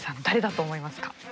誰だと思いますか。